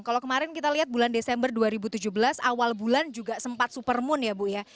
kalau kemarin kita lihat bulan desember dua ribu tujuh belas awal bulan juga sempat supermoon ya bu ya